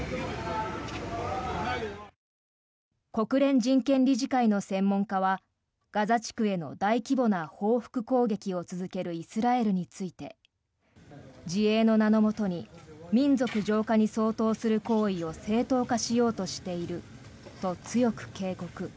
国連人権理事会の専門家はガザ地区への大規模な報復攻撃を続けるイスラエルについて自衛の名のもとに民族浄化に相当する行為を正当化しようとしていると強く警告。